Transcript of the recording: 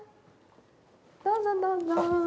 どうぞ、どうぞ。